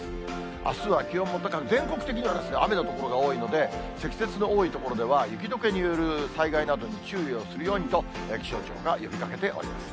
あすは気温も高く、全国的には雨の所が多いので、積雪の多い所では、雪どけによる災害などに注意をするようにと、気象庁が呼びかけております。